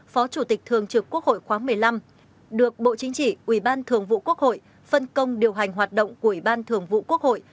phó chủ tịch thường trực quốc hội khóa một mươi năm được bộ chính trị ủy ban thường vụ quốc hội phân công điều hành hoạt động của ủy ban thường vụ quốc hội